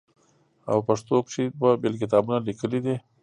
او پښتو کښې دوه بيل کتابونه ليکلي دي